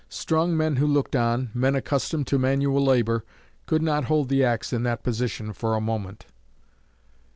Strong men who looked on men accustomed to manual labor could not hold the axe in that position for a moment.